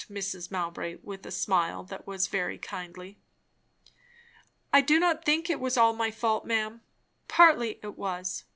Mrs. Mowbray asked with a smile that was very kindly. "I do not think it was all my fault, ma'am. Partly it was.